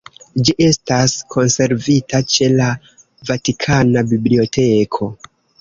Ĝi estas konservita ĉe la Vatikana Biblioteko.